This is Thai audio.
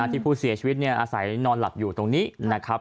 ที่ผู้เสียชีวิตอาศัยนอนหลับอยู่ตรงนี้นะครับ